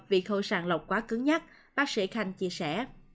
vì khâu sàng lọc quá cứng nhắc bác sĩ khanh chia sẻ